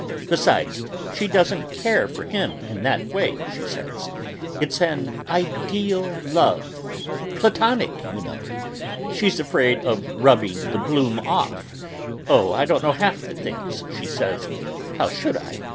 Besides, she doesn't care for him in that way, she says; it's an ideal love, 'Platonic,' you know; she's afraid of rubbing the bloom off oh, I don't know half the things she says, how should I?